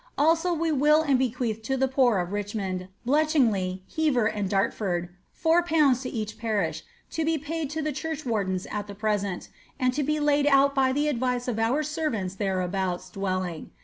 Also we will and bequeath to the poor of Richmond, Bletchingly, Hever, and Danford, 4/. to each parish, to bo paid to the churchwardens at the present, and to be laid out by the advice of our servants thereabouts dwelling.